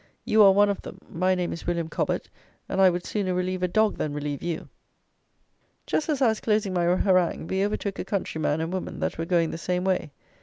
You are one of them; my name is William Cobbett, and I would sooner relieve a dog than relieve you." Just as I was closing my harangue, we overtook a country man and woman that were going the same way.